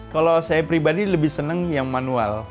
kalau saya pribadi lebih senang yang manual